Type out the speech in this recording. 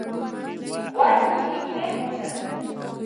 غوړ لوښي یې پرېمینځل .